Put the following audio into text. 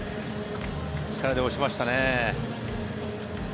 力で押しましたね。